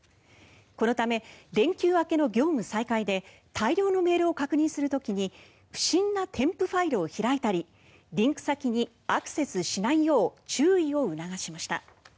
このため連休明けの業務再開で大量のメールを確認する時に不審な添付ファイルを開いたりリンク先にアクセスしないよう注意を促しました。